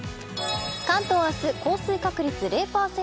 関東明日、降水確率０％。